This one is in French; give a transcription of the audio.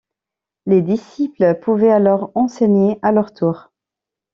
Les disciples pouvaient alors enseigner à leur tour.